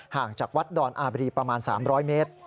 ห่างจากวัดดอนอาบรีประมาณ๓๐๐เมตร